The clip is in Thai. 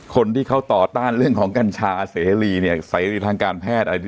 คนที่เขาต่อต้านเรื่องของกัญชาอาเซฮรีเนี่ยอาเซฮรีทางการแพทย์